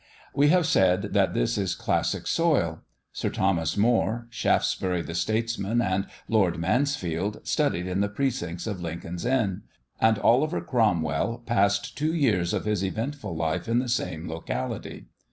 We have said that this is classic soil. Sir Thomas More, Shaftesbury the statesman, and Lord Mansfield, studied in the precincts of Lincoln's Inn; and Oliver Cromwell passed two years of his eventful life in the same locality.